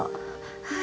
はい。